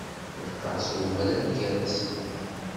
Iqqeṛṣ umrar gar-asen.